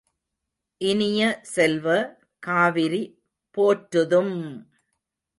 இனிய செல்வ, காவிரி போற்றுதும்!